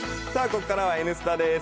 ここからは「Ｎスタ」です。